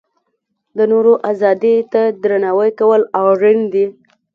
د نورو ازادۍ ته درناوی کول اړین دي.